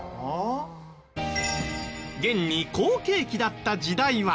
現に好景気だった時代は。